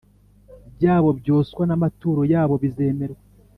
byabo byoswa n amaturo yabo bizemerwa